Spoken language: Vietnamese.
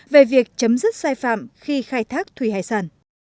về việc chấm dứt sai phạm khi khai thác thủy hải sản